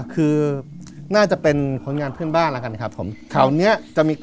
คือน่าจะเป็นคนงานเพื่อนบ้านล่ะครับผม